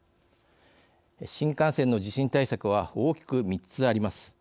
新幹線の地震対策は大きく３つあります。